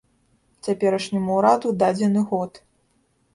Цяперашняму ўраду дадзены год.